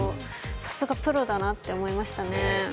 さすがプロだなと思いましたね。